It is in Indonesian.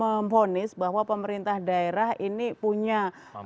memfonis bahwa pemerintah daerah ini punya